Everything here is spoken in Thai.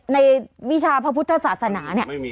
วิชาพระพุทธศาสนาเนี่ย